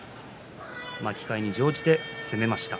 巻き替えに乗じて攻めました。